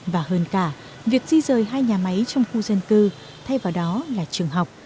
và hơn cả việc di rời hai nhà máy trong khu dân cư thay vào đó là trường học